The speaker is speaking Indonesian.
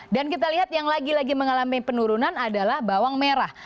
dan kita lihat yang lagi lagi mengalami penurunan adalah bawang merah